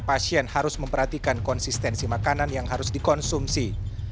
pasien harus memperhatikan konsistensi makanan yang harus dikonsumsi